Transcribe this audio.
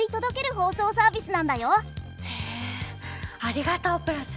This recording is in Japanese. へえありがとうプラス。